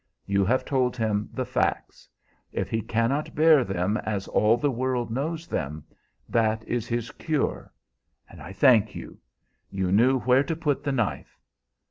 You have told him the facts; if he cannot bear them as all the world knows them, that is his cure. I thank you. You knew where to put the knife."